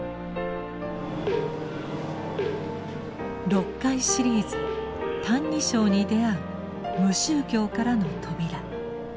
特に６回シリーズ「歎異抄にであう無宗教からの扉」。